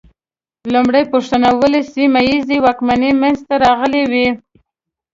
لومړۍ پوښتنه: ولې سیمه ییزې واکمنۍ منځ ته راغلې وې؟